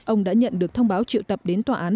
ông đã nhận được thông báo triệu tập đến tòa án